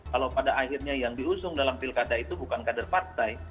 kalau pada akhirnya yang diusung dalam pilkada itu bukan kader partai